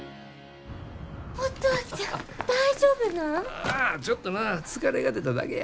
ああちょっとな疲れが出ただけや。